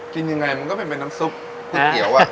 กินยังไงมันก็เป็นน้ำซุปก๋วยเตี๋ยว